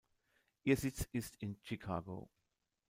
Ihr Sitz ist in Chicago.